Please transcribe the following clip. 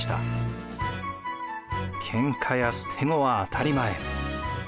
けんかや捨て子は当たり前。